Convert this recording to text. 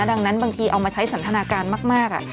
ดังนั้นบางทีเอามาใช้สันทนาการมาก